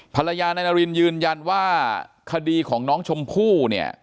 ภรรยานายนารินยืนยันว่าคดีของน้องชมพู่เนี่ย